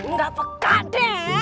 nggak pekat deh